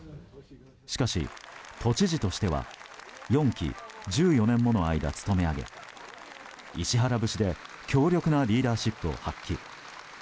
しかし都知事としては４期１４年もの間、務め上げ石原節で強力なリーダーシップを発揮。